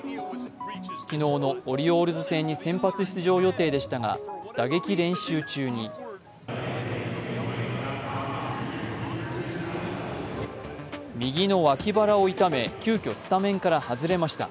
昨日のオリオールズ戦に先発出場予定でしたが打撃練習中に右の脇腹を痛め、急きょスタメンから外れました。